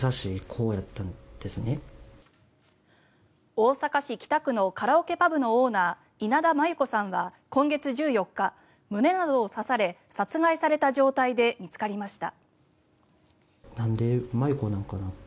大阪市北区のカラオケパブのオーナー稲田真優子さんは今月１４日胸などを刺され殺害された状態で見つかりました。